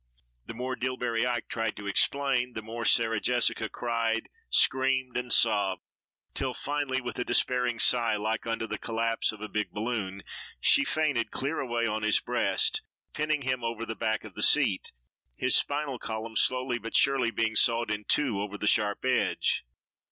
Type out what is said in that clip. The more Dillbery Ike tried to explain, the more Sarah Jessica cried, screamed and sobbed, till finally with a despairing sigh, like unto the collapse of a big balloon, she fainted clear away on his breast, pinning him over the back of the seat, his spinal column slowly but surely being sawed in two over the sharp edge.